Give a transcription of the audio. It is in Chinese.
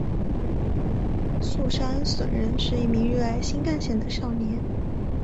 速杉隼人是一名热爱新干线的少年。